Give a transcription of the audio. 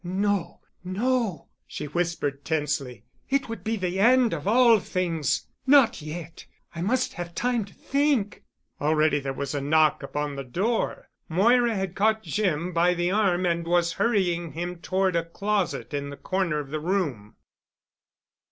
"No—no," she whispered tensely. "It would be the end of all things. Not yet. I must have time to think——" Already there was a knock upon the door. Moira had caught Jim by the arm and was hurrying him toward a closet in the corner of the room.